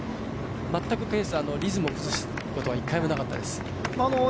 全くペース、リズムを崩すことはなかったです。